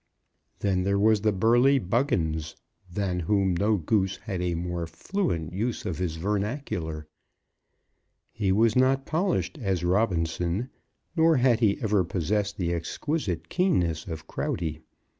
Then there was the burly Buggins, than whom no Goose had a more fluent use of his vernacular. He was not polished as Robinson, nor had he ever possessed the exquisite keenness of Crowdy.